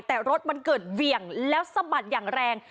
แต่รถเกิดเวี่ยงและสบัดอย่างแรง